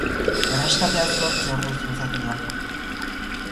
Erreskatea zortzi orduz luzatu da.